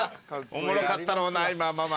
おもろかったろうな今ママ。